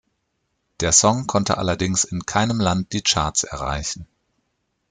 Der Song konnte allerdings in keinem Land die Charts erreichen.